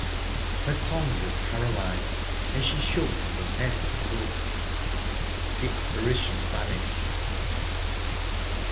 Her tongue was paralysed, and she shook from head to foot. The apparition vanished.